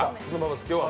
今日は。